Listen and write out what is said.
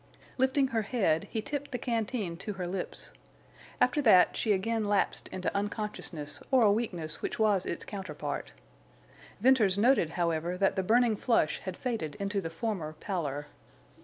Lifting her head, he tipped the canteen to her lips. After that she again lapsed into unconsciousness or a weakness which was its counterpart. Venters noted, however, that the burning flush had faded into the former pallor.